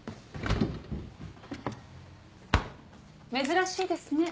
珍しいですね。